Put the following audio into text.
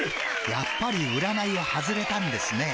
やっぱり占いは外れたんですね。